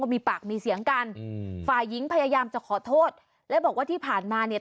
มีปากมีเสียงกันอืมฝ่ายหญิงพยายามจะขอโทษและบอกว่าที่ผ่านมาเนี่ย